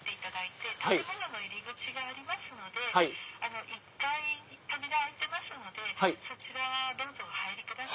建物の入り口がありますので１階扉開いてますのでそちらどうぞお入りください。